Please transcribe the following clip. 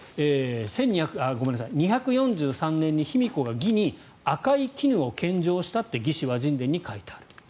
２４３年に卑弥呼が魏に赤い絹を献上したって「魏志倭人伝」に書いてある。